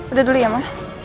udah dulu ya ma